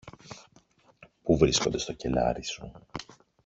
που βρίσκονται στο κελάρι σου